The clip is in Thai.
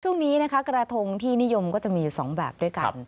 ช่วงนี้นะคะกระทงที่นิยมก็จะมี๒แบบด้วยกัน